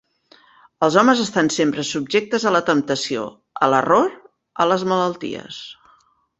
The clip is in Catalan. Els homes estan sempre subjectes a la temptació, a l'error, a les malalties.